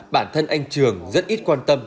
bản thân anh trường rất ít quan tâm